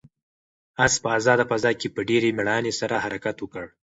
آس په آزاده فضا کې په ډېرې مېړانې سره حرکت وکړ.